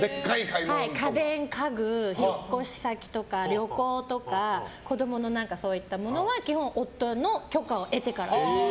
家電、家具、引っ越し先とか旅行とか子供のそういったものは基本、夫の許可を得てから。